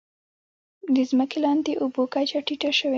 د ځمکې لاندې اوبو کچه ټیټه شوې؟